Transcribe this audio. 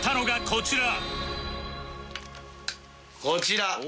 こちら！